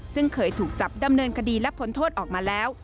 ซึ่งเคยถูกจับดำเนินคดีและพ้นโทษออกมาแล้ว